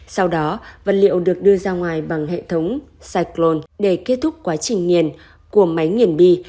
sau đó vật liệu được đưa ra ngoài bằng hệ thống cyclon để kết thúc quá trình nghiền của máy nghiền bi